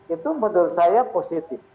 itu menurut saya positif